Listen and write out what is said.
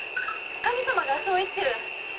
神様がそう言ってる。